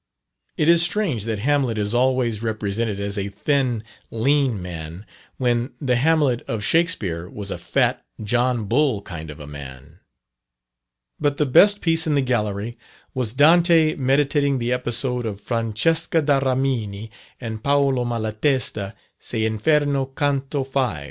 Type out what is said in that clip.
It is strange that Hamlet is always represented as a thin, lean man, when the Hamlet of Shakspere was a fat, John Bull kind of a man. But the best piece in the Gallery was "Dante meditating the episode of Francesca da Rimini and Paolo Malatesta, S'Inferno, Canto V."